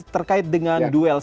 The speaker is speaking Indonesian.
terkait dengan duel